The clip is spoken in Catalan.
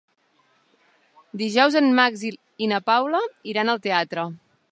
Dijous en Max i na Paula iran al teatre.